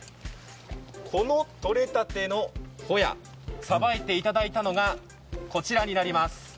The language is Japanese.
このとれたてのホヤ、さばいていただいのがこちらになります。